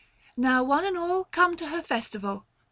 455 Now one and all come to her festival.